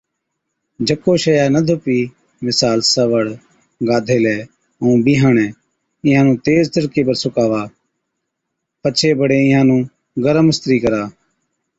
جڪو شئِيا نہ ڌُپِي مثال، سوَڙ، گاڌيلَي ائُون بِيهاڻَي اِينهان نُون تيز تِڙڪي پر سُڪاوا بڇي بڙي اِينهان نُون گرم اِسترِي ڪرا۔